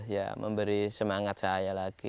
ya memberi semangat saya lagi